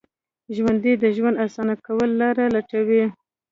ژوندي د ژوند اسانه کولو لارې لټوي